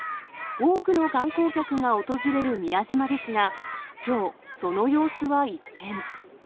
多くの観光客が訪れる宮島ですが、きょう、その様子は一変。